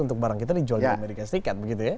untuk barang kita dijual dari amerika serikat